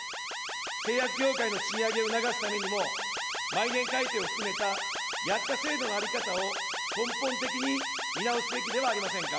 製薬業界の賃上げを促すためにも毎年改定を含めた薬価制度の在り方を根本的に見直すべきではありませんか。